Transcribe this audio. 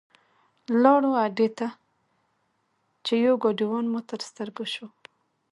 لاړو اډې ته چې یو ګاډیوان مو تر سترګو شو.